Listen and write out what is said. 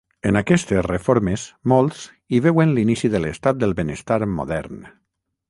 En aquestes reformes molts hi veuen l'inici de l'estat del benestar modern.